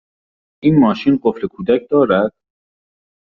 این ماشین قفل کودک دارد؟